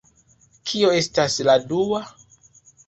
Kio estas la dua?